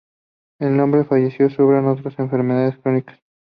El hombre fallecido sufría de otras enfermedades crónicas.